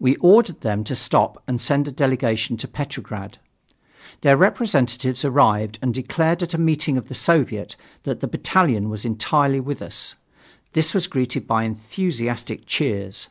We ordered them to stop and send a delegation to Petrograd. Their representatives arrived and declared at a meeting of the Soviet that the battalion was entirely with us. This was greeted by enthusiastic cheers.